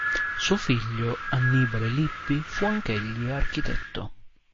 Suo figlio, Annibale Lippi, fu anch'egli architetto.